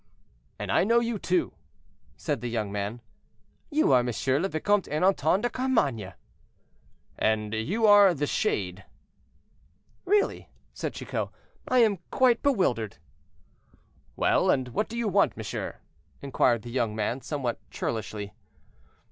"And I know you too," said the young man. "You are Monsieur le Vicomte Ernanton de Carmainges." "And you are 'The Shade.'" "Really," said Chicot, "I am quite bewildered." "Well, and what do you want, monsieur?" inquired the young man, somewhat churlishly.